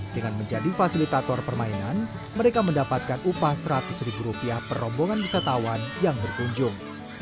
dengan menjadi fasilitator permainan mereka mendapatkan upah seratus ribu rupiah per rombongan wisatawan yang berkunjung